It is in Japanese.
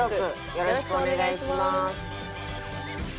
よろしくお願いします。